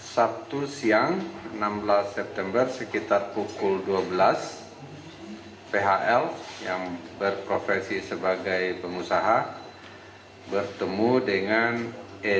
sabtu siang enam belas september sekitar pukul dua belas phl yang berprofesi sebagai pengusaha bertemu dengan e